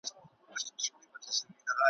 اوږدې لاري یې وهلي په ځنګلو کي ,